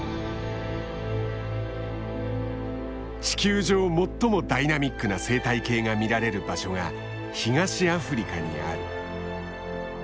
地球上最もダイナミックな生態系が見られる場所が東アフリカにある。